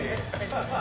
・ハハハハ！